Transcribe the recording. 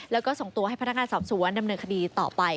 แล้วก็ส่งตัวให้พนักงานสอบสวนดำเนินคดีต่อไป